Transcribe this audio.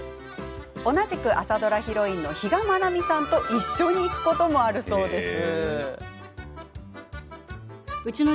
同じく朝ドラヒロインの比嘉愛未さんと一緒に行くこともあるそうです。